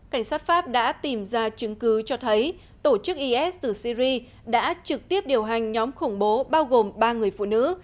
cảnh sát pháp đã tìm ra chứng cứ cho thấy tổ chức is từ syri đã trực tiếp điều hành nhóm khủng bố bao gồm ba người phụ nữ